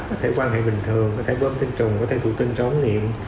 có thể quan hệ bình thường có thể bơm sinh trùng có thể thủ tinh cho ống nghiệm